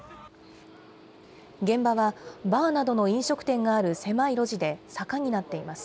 現場は、バーなどの飲食店がある狭い路地で、坂になっています。